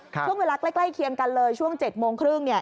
ช่วงเวลาใกล้เคียงกันเลยช่วง๗โมงครึ่ง